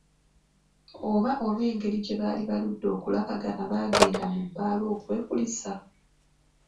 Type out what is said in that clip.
Oba olw'engeri gye baali baaludde okulabagana baagenda mu bbaala okwekulisa.